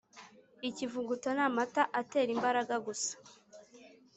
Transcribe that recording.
Ikivuguto n’amata atera imbaraga gusa